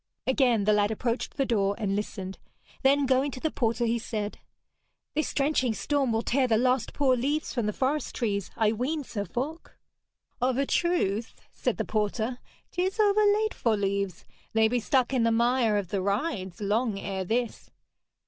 Again the lad approached the door and listened; then going to the porter he said: 'This drenching storm will tear the last poor leaves from the forest trees, I ween, Sir Falk.' 'Of a truth,' said the porter, ''tis overlate for leaves. They be stuck in the mire of the rides long ere this.'